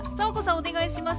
お願いします。